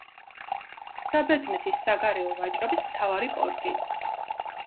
საბერძნეთის საგარეო ვაჭრობის მთავარი პორტი.